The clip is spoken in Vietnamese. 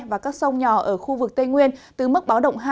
và các sông nhỏ ở khu vực tây nguyên từ mức báo động hai